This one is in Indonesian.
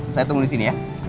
saya tunggu di sini ya